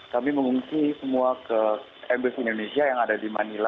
kami mengungsi semua ke mbs indonesia yang ada di manila